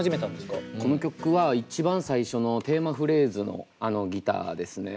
この曲は一番最初のテーマフレーズのあのギターですね。